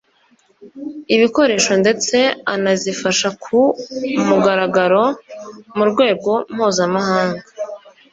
ibikoresho ndetse anazifasha ku mugaragaro mu rwego mpuzamahanga.